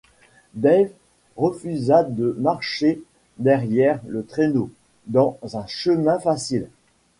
Dave refusa de marcher derrière le traîneau, dans un chemin facile.